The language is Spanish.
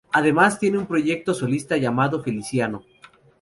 Además tiene un proyecto solista llamado Feliciano.